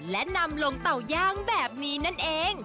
และนำลงเต่าย่างแบบนี้นั่นเอง